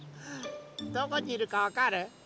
どこにいるかわかる？